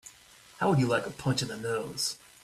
How would you like a punch in the nose?